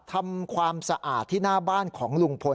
ทำความสะอาดที่หน้าบ้านของลุงพล